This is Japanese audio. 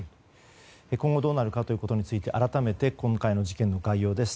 今後、どうなるかについて改めて今回の事件の概要です。